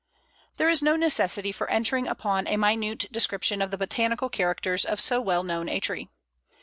There is no necessity for entering upon a minute description of the botanical characters of so well known a tree.